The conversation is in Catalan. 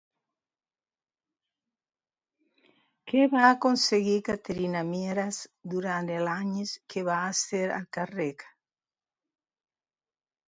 Què va aconseguir Caterina Mieras durant els anys que va ser al càrrec?